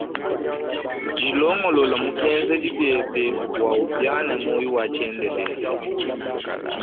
Dilongolole mu bienzedi biebe bua upiane muoyo wa tshiendelele.